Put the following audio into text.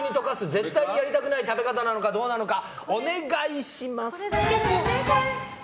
絶対にやりたくない食べ方なのかどうなのか、お願いします。